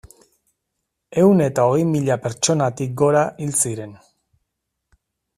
Ehun eta hogei mila pertsonatik gora hil ziren.